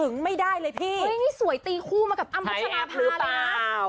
นี่สวยตีคู่มากับอัมพจนภาพหรือเปล่า